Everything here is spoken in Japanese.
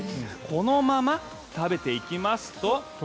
このまま食べていきますと。